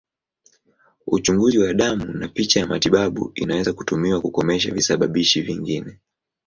Uchunguzi wa damu na picha ya matibabu inaweza kutumiwa kukomesha visababishi vingine.